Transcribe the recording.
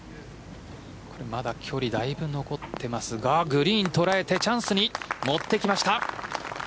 まだ距離だいぶ残っていますがグリーンを捉えてチャンスに持っていきました。